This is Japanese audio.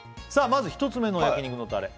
まず１つ目の焼肉のタレ